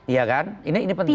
iya kan ini penting